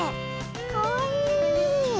かわいい。